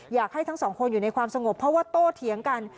อยากให้ทั้งสองคนอยู่ในความสงบเพราะว่าโตเถียงกัน